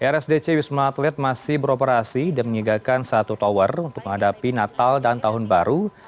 rsdc wisma atlet masih beroperasi dan menyegarkan satu tower untuk menghadapi natal dan tahun baru